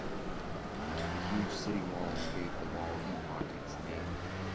The huge city walls gave the wall epoch its name.